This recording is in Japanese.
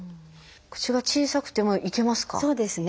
口が小さくてもいけますか？